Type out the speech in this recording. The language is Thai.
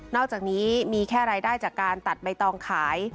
อกจากนี้มีแค่รายได้จากการตัดใบตองขาย